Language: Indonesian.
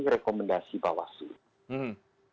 rekomendasi mbak waslu